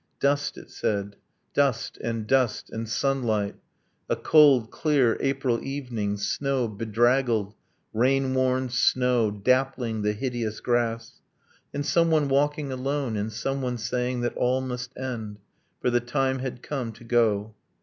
'Dust', it said, 'dust ... and dust ... and sunlight .. A cold clear April evening ... snow, bedraggled, Rain worn snow, dappling the hideous grass ... And someone walking alone; and someone saying That all must end, for the time had come to go